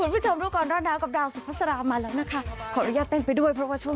คุณผู้ชมดูก่อนร้อนหนาวกับดาวสุภาษามาแล้วนะคะขออนุญาตเต้นไปด้วยเพราะว่าช่วง